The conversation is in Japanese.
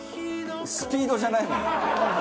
「スピードじゃないもん」